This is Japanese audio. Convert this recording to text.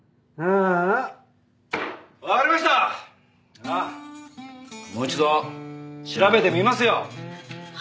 じゃあもう一度調べてみますよ。